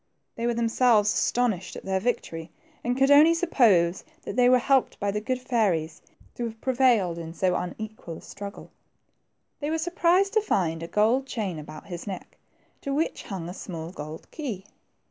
They were themselves astonished at their THE TWO FRINGES. 89 victory, and could only suppose that they were helped by the good fairies, to have prevailed in so unequal a struggle. They were surprised to find a gold chain about his neck, to which hung a small gold key.